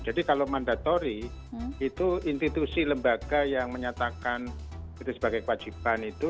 jadi kalau mandatori itu institusi lembaga yang menyatakan itu sebagai kewajiban itu